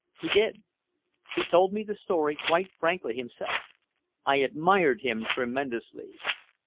He did. He told me the story quite frankly himself. I admired him tremendously.